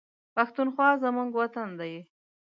پښتونخوا زموږ وطن دی